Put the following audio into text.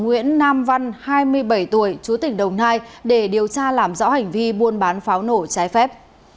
nguyễn nam văn hai mươi bảy tuổi chú tỉnh đồng nai để điều tra làm rõ hành vi buôn bán pháo nổ trái phép